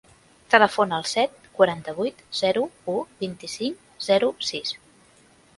Telefona al set, quaranta-vuit, zero, u, vint-i-cinc, zero, sis.